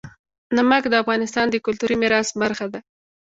نمک د افغانستان د کلتوري میراث برخه ده.